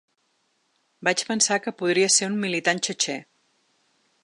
Vaig pensar que podria ser un militant txetxè.